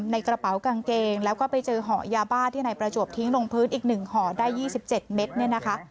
ในกระเป๋ากางเกงแล้วก็ไปเจอห่อยาบ้าที่นายประจวบทิ้งลงพื้นอีก๑ห่อได้๒๗เม็ดเนี่ยนะคะ